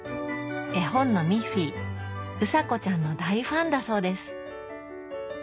絵本のミッフィーうさこちゃんの大ファンだそうです。